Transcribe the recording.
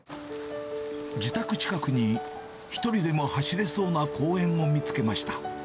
自宅近くに、１人でも走れそうな公園を見つけました。